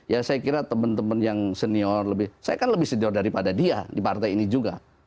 ya saya kira teman teman yang senior lebih saya kan lebih senior daripada dia di partai ini juga